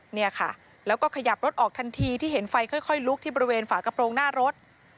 เนี่ยค่ะแล้วก็ขยับรถออกทันทีที่เห็นไฟค่อยลุกที่บริเวณฝากระโปรงหน้ารถ